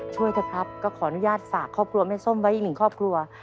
ช่วยเถอะครับก็ขออนุญาตฝากครอบครัวแม่ส้มไว้อีกหนึ่งครอบครัว